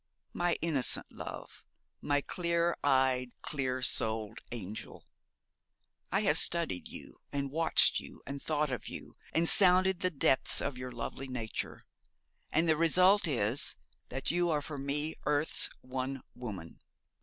My innocent love, my clear eyed, clear souled angel! I have studied you and watched you and thought of you, and sounded the depths of your lovely nature, and the result is that you are for me earth's one woman.